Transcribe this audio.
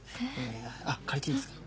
あっ借りていいですか？